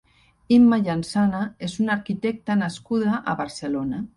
Imma Jansana és una arquitecta nascuda a Barcelona.